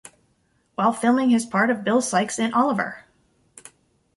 While filming his part of Bill Sikes in Oliver!